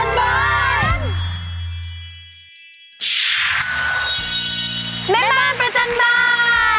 ส่องมันคาสว่างคามสัจจา